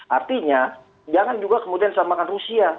artinya jangan juga kemudian samakan rusia